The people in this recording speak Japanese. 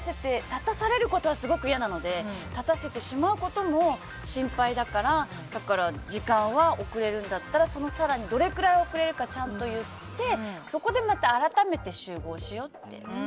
立たされることはすごく嫌なので立たせてしまうことも心配だからだから、時間は遅れるんだったら更にどれくらい遅れるかをちゃんと言ってそこでまた改めて集合しようって。